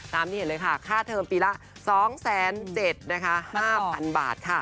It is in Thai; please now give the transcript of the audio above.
ตามที่เห็นเลยค่าเทิมปีละสองแสนเจ็ดนะคะห้าพันบาทค่ะ